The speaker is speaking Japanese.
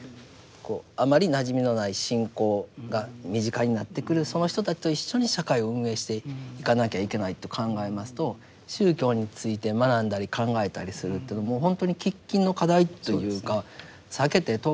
あまりなじみのない信仰が身近になってくるその人たちと一緒に社会を運営していかなきゃいけないと考えますと宗教について学んだり考えたりするというのはもうほんとに喫緊の課題というか避けて通れない問題ですよね。